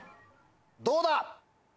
どうだ